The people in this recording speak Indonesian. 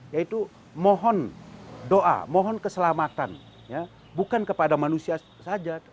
yaitu mohon doa mohon keselamatan bukan kepada manusia saja